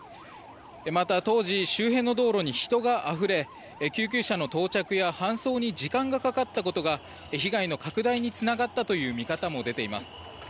また、当時周辺の道路に人があふれ救急車の到着や搬送に時間がかかったことが被害の拡大につながったという見方も出ています。